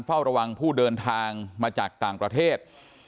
เฝ้าระวังผู้เดินทางมาจากต่างประเทศ